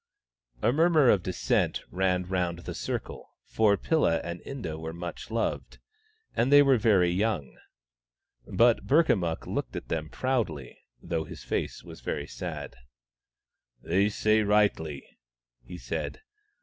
A murmur of dissent ran round the circle, for Pilla and Inda were much loved ; and they were very young. But Burkamukk looked at them proudly, though his face was very sad. " They say rightly," he said.